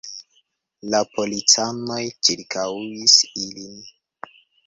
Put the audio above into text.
La policanoj ĉirkaŭis ilin.